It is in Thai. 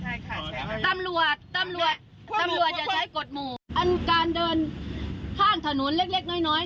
ใช่ค่ะตำรวจตำรวจตำรวจจะใช้กฎหมู่อันการเดินข้างถนนเล็กเล็กน้อยน้อย